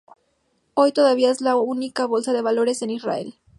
Hoy, todavía es la única bolsa de valores en Israel.